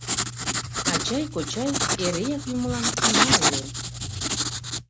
Ачай-кочай эреак юмылан кӱман илен.